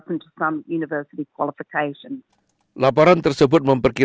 dan itu adalah satu aspek yang sangat penting